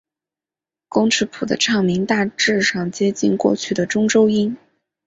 工尺谱的唱名大致上接近过去的中州音。